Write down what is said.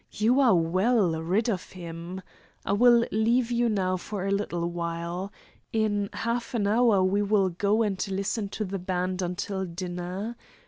You are well rid of him. I will leave you now for a little while. In half an hour we will go and listen to the band until dinner.